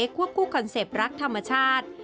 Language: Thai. วบคู่คอนเซ็ปต์รักธรรมชาติ